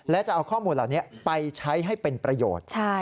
และจะเอาข้อมูลเหล่านี้ไปใช้ให้เป็นประโยชน์